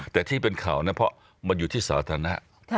แต่ที่เป็นข่าวนะเพราะมันอยู่ที่สาธารณะ